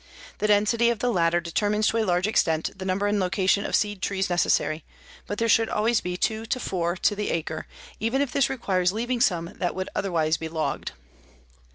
The density of the latter determines to a large extent the number and location of seed trees necessary, but there should always be two to four to the acre, even if this requires leaving some that would otherwise be logged.